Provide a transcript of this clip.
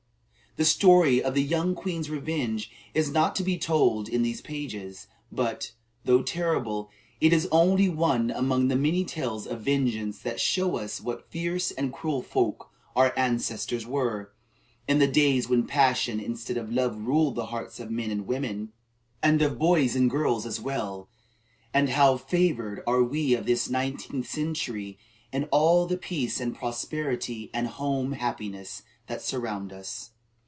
The story of the young queen's revenge is not to be told in these pages. But, though terrible, it is only one among the many tales of vengeance that show us what fierce and cruel folk our ancestors were, in the days when passion instead of love ruled the hearts of men and women, and of boys and girls as well; and how favored are we of this nineteenth century, in all the peace and prosperity and home happiness that surround us.